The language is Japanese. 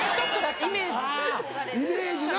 あぁイメージな。